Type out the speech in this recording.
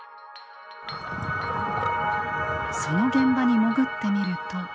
その現場に潜ってみると。